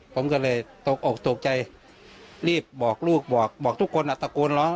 ผมก็เลยตกอกตกใจรีบบอกลูกบอกบอกทุกคนอ่ะตะโกนร้อง